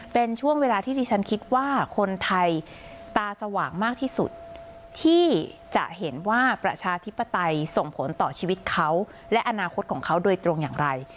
เป็นช่วงเวลาที่ที่ฉันคิดว่าคนไทยตาสว่างมากที่สุดที่จะเห็นว่าประชาธิปไตยส่งผลต่อชีวิตเขาและอนาคตของเขาโดยตรงอย่างไร